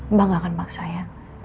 mbak gak akan maksa ya